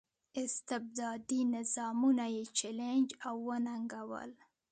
استبدادي نظامونه یې چلنج او وننګول.